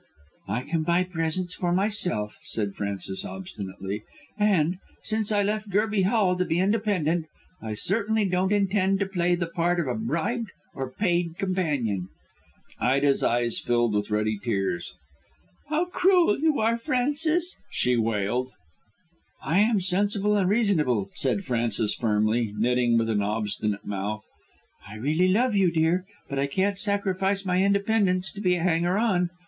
"I can buy presents for myself," said Frances obstinately, "and, since I left Gerby Hall to be independent, I certainly don't intend to play the part of a bribed or paid companion." Ida's eyes filled with ready tears. "How cruel you are, Frances," she wailed. "I am sensible and reasonable," said Frances firmly, knitting with an obstinate mouth. "I really love you, dear, but I can't sacrifice my independence to be a hanger on.